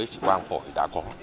ý chí quang phổi đã có